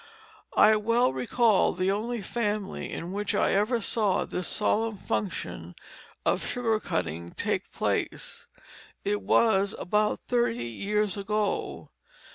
I well recall the only family in which I ever saw this solemn function of sugar cutting take place it was about thirty years ago.